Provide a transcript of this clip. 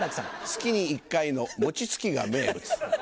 月に一回の餅つきが名物。